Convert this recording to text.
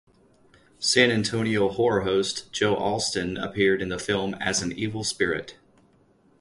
San Antonio horror host Joe Alston appeared in the film as an evil spirit.